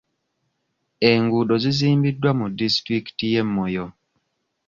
Enguudo zizimbiddwa mu disitulikiti y'e Moyo.